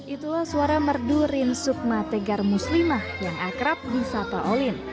itulah suara merdu rinsuk mategar muslimah yang akrab di sapa olin